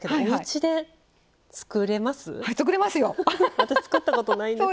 私作ったことないんです。